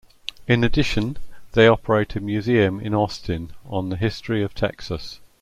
In addition, they operate a museum in Austin on the history of Texas.